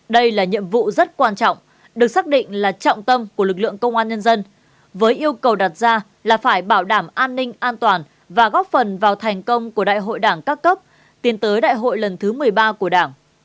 đây là nhiệm vụ rất quan trọng được xác định là trọng tâm của lực lượng công an nhân dân với yêu cầu đặt ra là phải bảo đảm an ninh an toàn và góp phần vào thành công của đại hội đảng các cấp tiến tới đại hội lần thứ một mươi ba của đảng